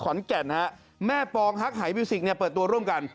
แก่นฮะแม่ปองฮักหายมิวสิกเนี่ยเปิดตัวร่วมกัน